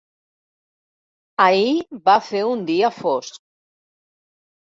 Ahir va fer un dia fosc.